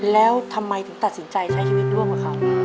แล้วทำไมถึงตัดสินใจใช้ชีวิตร่วมกับเขา